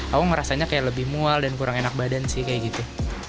kamu merasanya kayak lebih mual dan kurang enak badan sih kayak gitu